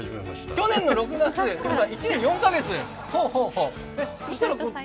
去年の６月ということは１年４カ月。